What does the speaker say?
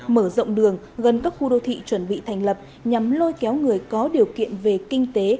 mở rộng đường gần các khu đô thị chuẩn bị thành lập nhằm lôi kéo người có điều kiện về kinh tế